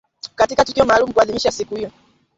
Katika tukio maalum kuadhimisha siku hiyo